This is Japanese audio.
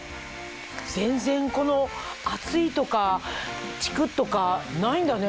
全然この熱いとかチクっとかないんだね。